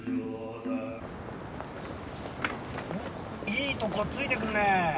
いいとこ突いてくるね。